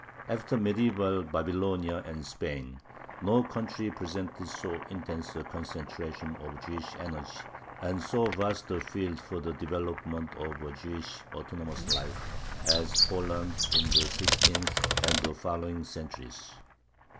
After medieval Babylonia and Spain, no country presented so intense a concentration of Jewish energy and so vast a field for the development of a Jewish autonomous life as Poland in the sixteenth and the following centuries.